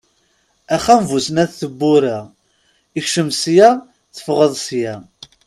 Axxam bu snat n tebbura, ekcem sya, teffeɣeḍ sya!